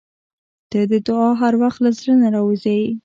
• ته د دعا هر وخت له زړه نه راووځې.